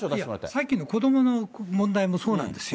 さっきの子どもの問題もそうなんですよ。